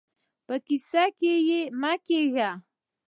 په کيسه کې يې مه کېږئ.